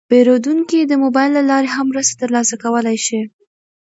پیرودونکي د موبایل له لارې هم مرسته ترلاسه کولی شي.